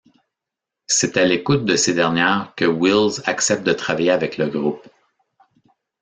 C'est à l'écoute de ces dernières que Wills accepte de travailler avec le groupe.